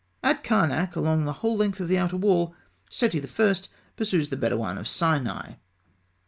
At Karnak, along the whole length of the outer wall, Seti I. pursues the Bedawîn of Sinai.